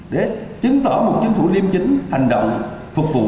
để chứng tỏ một chính phủ liêm chính hành động phục vụ